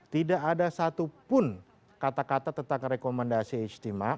tidak ada satupun kata kata tentang rekomendasi istimewa